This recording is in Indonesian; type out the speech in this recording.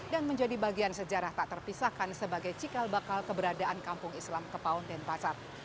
dan menjadi bagian sejarah tak terpisahkan sebagai cikal bakal keberadaan kampung islam kepaun dan pasar